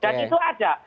dan itu ada